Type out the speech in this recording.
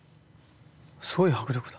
すごい迫力だ！